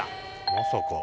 まさか。